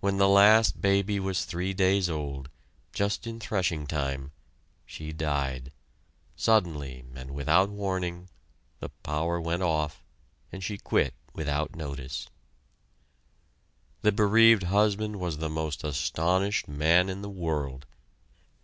When the last baby was three days old, just in threshing time, she died. Suddenly, and without warning, the power went off, and she quit without notice. The bereaved husband was the most astonished man in the world.